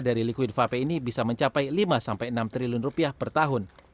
dari liquid vape ini bisa mencapai lima sampai enam triliun rupiah per tahun